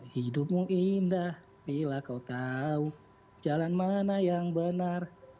hidupmu indah bila kau tahu jalan mana yang benar